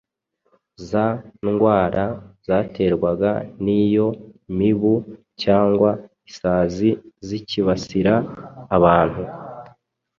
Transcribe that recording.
za ndwara zaterwaga n’iyo mibu cyangwa isazi zikibasira abantu